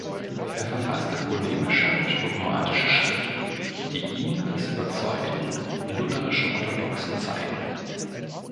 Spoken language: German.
Er verfasste polemische und dogmatische Schriften, die ihn als überzeugten lutherischen Orthodoxen zeigen.